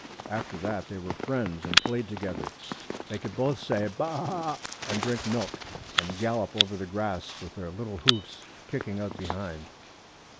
After that they were friends and played together. They could both say ba a a, and drink milk, and gallop over the grass, with their little hoofs kicking out behind.